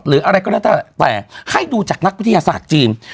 หรืออะไรก็แล้วแต่แต่ให้ดูจากนักวิทยาศาสตร์จีน